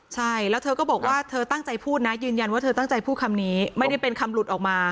ใช่แล้วเธอก็บอกว่าเธอตั้งใจพูดนะยืนยันว่าเธอตั้งใจพูดคำนี้ไม่ได้เป็นคำหลุดออกมา